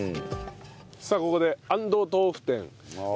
さあここで安藤豆腐店５